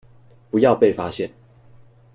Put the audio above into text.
不要被發現